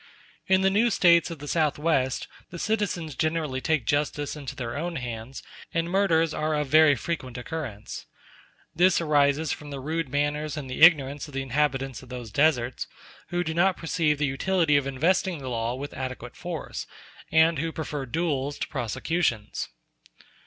In the new States of the Southwest the citizens generally take justice into their own hands, and murders are of very frequent occurrence. This arises from the rude manners and the ignorance of the inhabitants of those deserts, who do not perceive the utility of investing the law with adequate force, and who prefer duels to prosecutions.